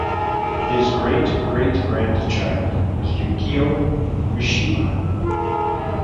His great-great-grandchild was Yukio Mishima.